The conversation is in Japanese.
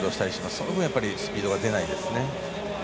そこもスピードが出ないですね。